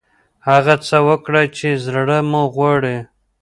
هغه څه وکړئ چې زړه مو غواړي.